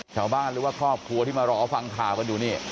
หรือว่าครอบครัวที่มารอฟังข่าวกันอยู่นี่